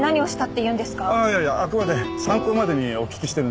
いやいやあくまで参考までにお聞きしてるんです。